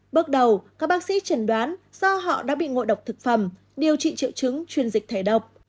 bước đầu các bác sĩ chẳng đoán do họ đã bị ngộ độc thực phẩm điều trị triệu chứng chuyên dịch thể độc